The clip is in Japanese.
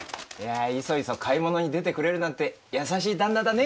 いそいそ買い物に出てくれるなんて優しい旦那だね。